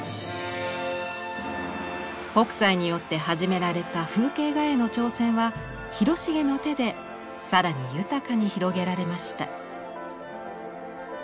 北斎によって始められた風景画への挑戦は広重の手で更に豊かに広げられました。